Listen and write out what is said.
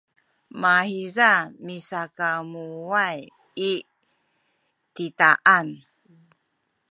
mahiza misakamuway i titaan